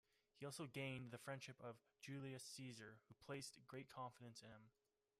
He also gained the friendship of Julius Caesar, who placed great confidence in him.